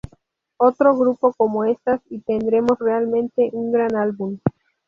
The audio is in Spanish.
Otro grupo como estas y tendremos realmente un gran álbum"".